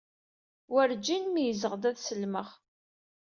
Werǧin meyyzeɣ-d ad sellmeɣ.